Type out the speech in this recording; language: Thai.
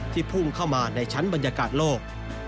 พุ่งเข้ามาในชั้นบรรยากาศโลก